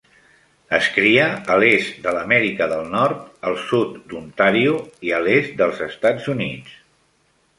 Es cria a l'est de l'Amèrica del Nord, al sud d'Ontario i a l'est dels Estats Units.